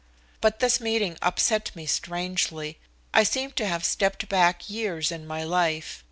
But this meeting upset me strangely. I seemed to have stepped back years in my life.